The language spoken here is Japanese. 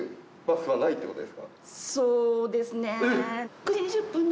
そうですね。